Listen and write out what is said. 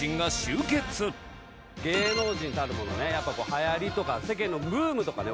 芸能人たるものねやっぱこう流行りとか世間のブームとかね